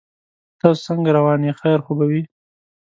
تاسو څنګه روان یې خیر خو به وي